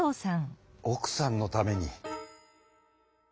おくさんのために。